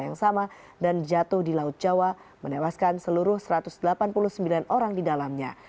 yang sama dan jatuh di laut jawa menewaskan seluruh satu ratus delapan puluh sembilan orang di dalamnya